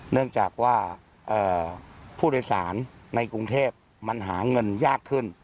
เนื่องจากว่าผู้โดยสารในกรุงเทพมันหาเงินยากขึ้น